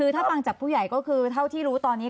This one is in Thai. ถ้าฟังจากผู้ใหญ่ที่รู้ตอนนี้